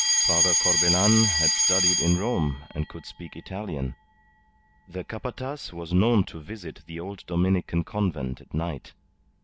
Father Corbelan had studied in Rome, and could speak Italian. The Capataz was known to visit the old Dominican Convent at night.